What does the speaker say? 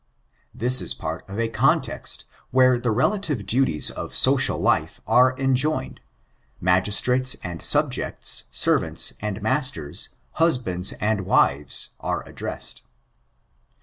This is part of a context, where the relative duties of social life are enjoined — magistrates and subjects, servants and masters, husbands and wives, are addressed.